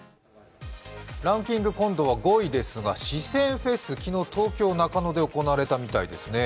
ランキング、今度は５位ですが、四川フェス、昨日東京・中野で行われたみたいです。